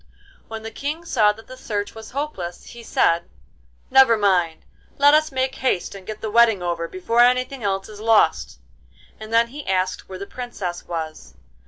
When the King saw that the search was hopeless he said: 'Never mind, let us make haste and get the wedding over before anything else is lost.' And then he asked where the Princess was.